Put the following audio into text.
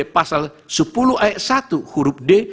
pasal sepuluh ayat satu huruf d